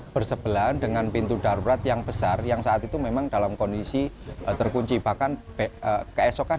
bersebelahan dengan pintu darurat yang besar yang saat itu memang dalam kondisi terkunci bahkan keesokan